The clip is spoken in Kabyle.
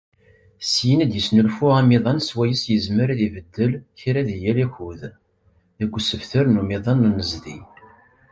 Syin ad d-yesnulfu amiḍan swayes yezmer ad ibeddel kra di yal akud, deg usebter n umiḍan n unnezdi.